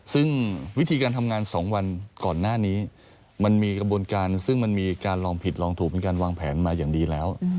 ซึ่งวิธีการทำงาน๒วันก่อนหน้านี้มันมีกระบวนการซึ่งมันมีการลองผิดลองถูกมีการวางแผนมาอย่างดีแล้ว